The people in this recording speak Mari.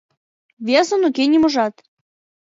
Весын уке ниможат...»